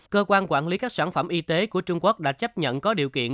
cơ quan quản lý các sản phẩm y tế của trung quốc đã chấp nhận có điều kiện